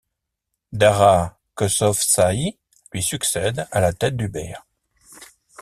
Dara Khosrowshahi lui succède à la tête d'Uber.